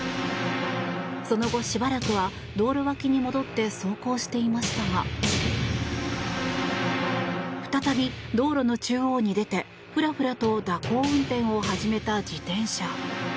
その後、しばらくは道路脇に戻って走行していましたが再び道路の中央に出てふらふらと蛇行運転を始めた自転車。